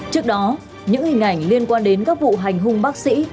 trước đó những hình ảnh liên quan đến các vụ hành hung bác sĩ